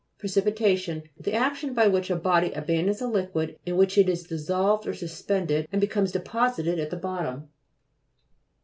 PRECIPITA'TION The action, by which a body abandons a liquid in which it is dissolved or suspended, and becomes deposited at the bot tom.